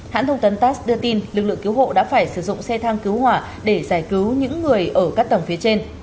hãng thông tấn tass đưa tin lực lượng cứu hộ đã phải sử dụng xe thang cứu hỏa để giải cứu những người ở các tầng phía trên